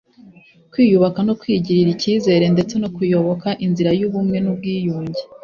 kwiyubaka no kwigirira icyizere ndetse no kuyoboka inzira y’ubumwe n’ubwiyunge